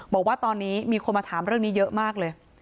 บอกว่าตอนนี้มีคนมาถามเรื่องนี้เยอะมากเลย